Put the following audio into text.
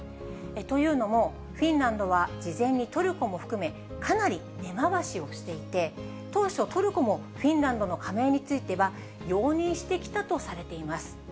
というのも、フィンランドは事前にトルコも含め、かなり根回しをしていて、当初、トルコもフィンランドの加盟については容認してきたとされています。